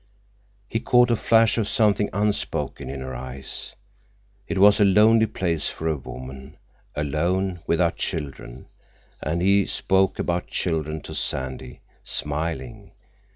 He caught a flash of something unspoken in her eyes. It was a lonely place for a woman, alone, without children, and he spoke about children to Sandy, smiling.